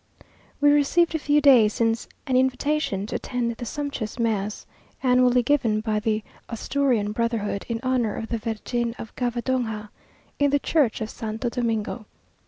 We received a few days since an invitation to attend the sumptuous mass, annually given by the Asturian Brotherhood, in honour of the Virgin of Cavadonga, in the church of Santo Domingo.